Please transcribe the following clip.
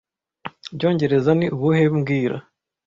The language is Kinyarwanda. Ibyongereza ni ubuhe mbwira